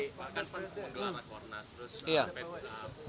pak jokowi makan sepatu saja